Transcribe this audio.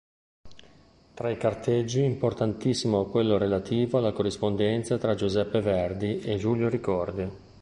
Tra i carteggi importantissimo quello relativo alla corrispondenza tra Giuseppe Verdi e Giulio Ricordi.